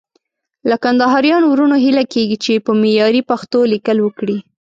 له کندهاريانو وروڼو هيله کېږي چې په معياري پښتو ليکل وکړي.